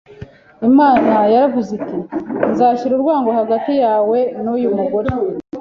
Imana yaravuze iti: “Nzashyira urwango hagati yawe n’uyu mugore,